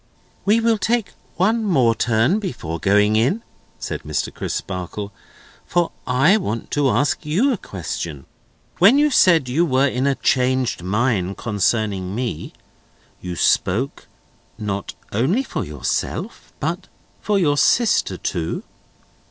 "We will take one more turn before going in," said Mr. Crisparkle, "for I want to ask you a question. When you said you were in a changed mind concerning me, you spoke, not only for yourself, but for your sister too?"